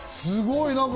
すごい。